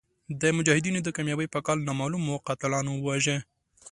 د مجاهدینو د کامیابۍ په کال نامعلومو قاتلانو وواژه.